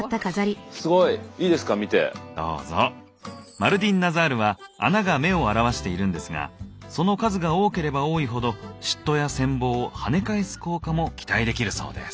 マルディンナザールは穴が目を表しているんですがその数が多ければ多いほど嫉妬や羨望をはね返す効果も期待できるそうです。